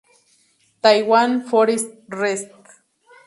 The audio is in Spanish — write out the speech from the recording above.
Taiwan Forest Res.